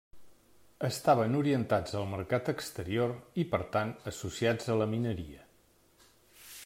Estaven orientats al mercat exterior i per tant associats a la mineria.